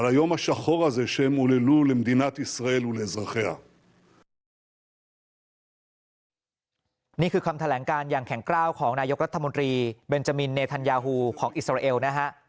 และจะเป็นคำถามสำคัญของนายกรัฐมนตรีเบนจามินเนธันยาฮูของอิสราเอลนะฮะ